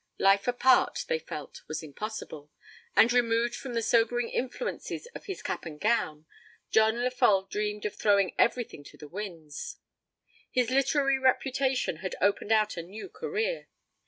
Life apart, they felt, was impossible, and, removed from the sobering influences of his cap and gown, John Lefolle dreamed of throwing everything to the winds. His literary reputation had opened out a new career.